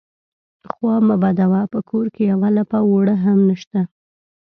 _خوا مه بدوه، په کور کې يوه لپه اوړه هم نشته.